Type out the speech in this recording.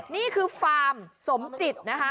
นี่คือฟาร์มสมจิต